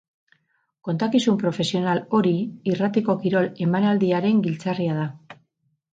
Kontakizun profesional hori irratiko kirol emanaldiaren giltzarria da.